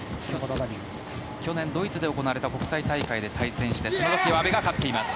去年ドイツで行われた国際大会で対戦してその時は阿部が勝っています。